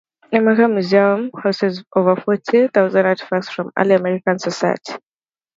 The Mercer Museum houses over forty thousand artifacts from early American society.